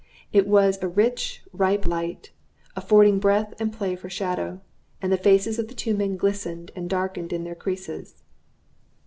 It was a rich, ripe light, affording breadth and play for shadow; and the faces of the two men glistened, and darkened in their creases.